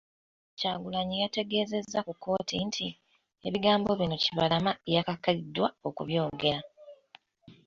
Kyagulanyi yategeezezza ku kkooti nti, ebigambo bino Kibalama yakakiddwa okubyogera.